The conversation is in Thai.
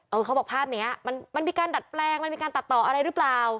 เขาบอกภาพนี้มันมีการดัดแปลงมันมีการตัดต่ออะไรหรือเปล่า